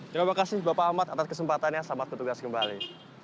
terima kasih bapak ahmad atas kesempatannya selamat bertugas kembali